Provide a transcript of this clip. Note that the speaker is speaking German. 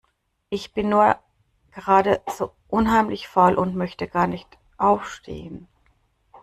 Ich bin nur gerade so unheimlich faul und möchte gar nicht aufstehen.